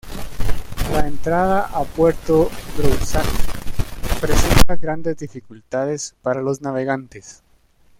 La entrada a Puerto Groussac presenta grandes dificultades para los navegantes.